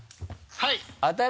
はい。